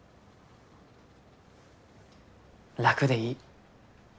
楽でいい。